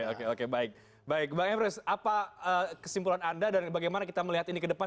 oke oke baik baik bang emrus apa kesimpulan anda dan bagaimana kita melihat ini ke depan